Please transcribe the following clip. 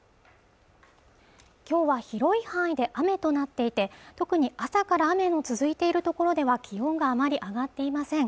きょうは広い範囲で雨となっていて特に朝から雨の続いているところでは気温があまり上がっていません